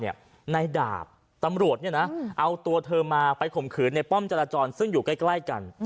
นายดาบตำรวจเอาตัวเธอมาไปข่มขืนในป้อมจราจรซึ่งอยู่ใกล้กัน